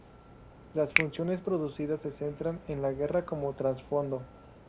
Las funciones producidas se centran en la guerra como trasfondo.